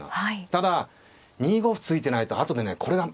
ただ２五歩突いてないと後でねこれが。